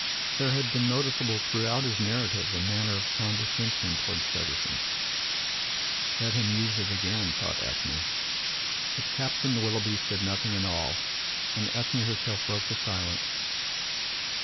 There had been noticeable throughout his narrative a manner of condescension towards Feversham. "Let him use it again!" thought Ethne. But Captain Willoughby said nothing at all, and Ethne herself broke the silence.